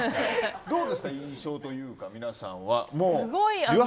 どうですか、印象というか皆さんは。